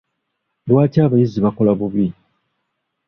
Lwaki abayizi bakola bubi?